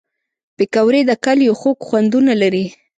پکورې د کلیو خوږ خوندونه لري